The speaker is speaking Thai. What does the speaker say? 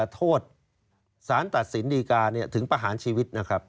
โทษสารตัดสินดีการถึงประหารชีวิตนะครับ